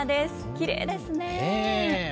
きれいですね。